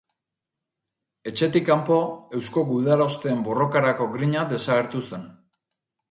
Etxetik kanpo, eusko gudarosteen borrokarako grina desagertu zen.